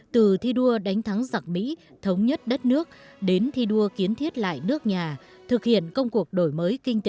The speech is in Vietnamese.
từ thi đua đánh thắng giặc mỹ thống nhất đất nước đến thi đua kiến thiết lại nước nhà thực hiện công cuộc đổi mới kinh tế